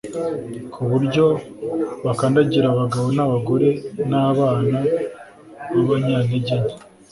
ku buryo bakandagira abagabo n'abagore n'abana b'abanyantege nke.